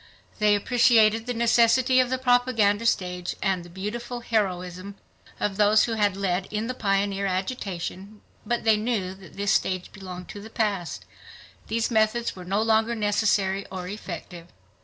They appreciated the necessity of the propaganda stage and the beautiful heroism of those who had led in the pioneer agitation, but they knew that this stage belonged to the past; these methods were no longer necessary or effective.